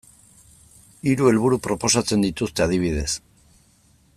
Hiru helburu proposatzen dituzte, adibidez.